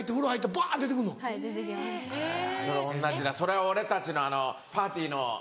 それ同じだそれは俺たちのパーティーの。